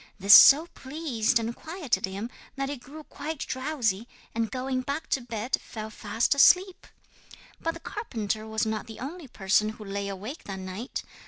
This so pleased and quieted him that he grew quite drowsy, and going back to bed fell fast asleep. 'But the carpenter was not the only person who lay awake that night.